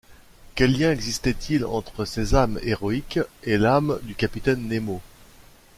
Quel lien existait-il entre ces âmes héroïques et l’âme du capitaine Nemo?